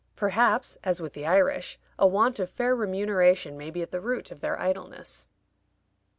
Perhaps, as with the Irish, a want of fair remuneration may be at the root of their idleness.